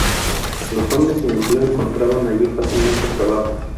Los hombres sin empleo encontraban allí fácilmente trabajo.